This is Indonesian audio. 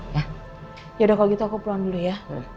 ya yaudah kalau gitu aku pulang dulu ya